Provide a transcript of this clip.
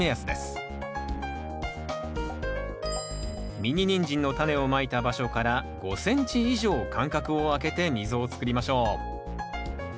ミニニンジンのタネをまいた場所から５ｃｍ以上間隔をあけて溝をつくりましょう。